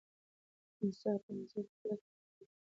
امسا یې په مځکه کلکه تکیه کړې وه.